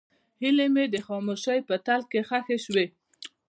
هیلې مې د خاموشۍ په تل کې ښخې شوې.